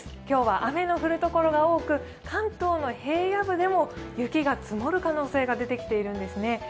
今日は雨の降る所が多く関東の平野部でも雪が積もる可能性が出てきているんですね。